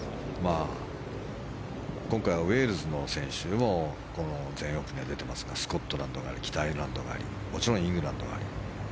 今回はウェールズの選手もこの全英オープンに出ていますがスコットランドがあり北アイルランドがありもちろんイングランドがあり。